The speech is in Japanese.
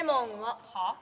はあ？